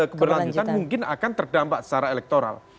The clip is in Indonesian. keberlanjutan mungkin akan terdampak secara elektoral